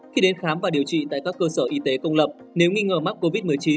khi đến khám và điều trị tại các cơ sở y tế công lập nếu nghi ngờ mắc covid một mươi chín